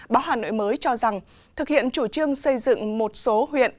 báo hà nội mới cho rằng thực hiện chủ trương xây dựng một số huyện